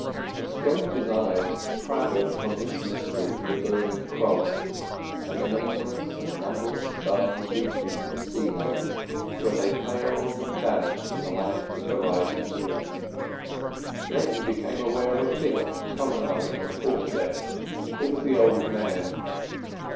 Lestrange's eyes travelled from this mystery to the burning cross, and the nameless and numberless stars reaching to the sea line, where they paled and vanished in the light of the rising moon. Then he became aware of a figure promenading the quarter deck. It was the "Old Man."